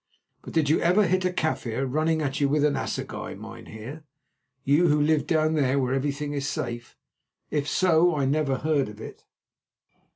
But did you ever hit a Kaffir running at you with an assegai, mynheer, you who live down there where everything is safe? If so, I never heard of it."